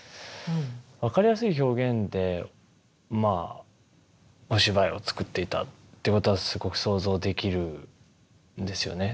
分かりやすい表現でまあお芝居を作っていたってことはすごく想像できるんですよね。